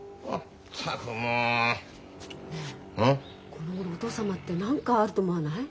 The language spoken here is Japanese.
このごろお義父様って何かあると思わない？